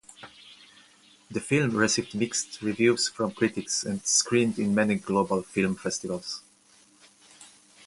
The film received mixed reviews from critics and screened in many global film festivals.